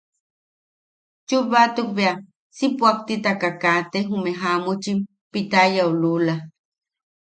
Chubbatuk bea si puʼaktika kaate jume jamuchim. Pitayau lula.